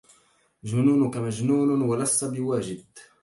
جنونك مجنون ولست بواجد